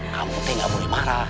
kamu tidak boleh marah